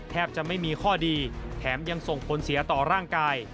จะไม่มีข้อดีแถมยังส่งผลเสียต่อร่างกาย